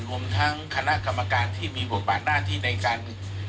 รวมทั้งคณะกรรมการที่มีบทบาทหน้าที่ในการ